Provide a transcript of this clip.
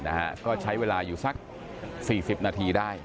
แล้วก็เข้าไปตรวจดูความเรียบร้อยในอาคาร